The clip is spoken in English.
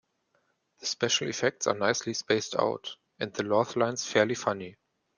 The special effects are nicely spaced out, and the laugh lines fairly funny.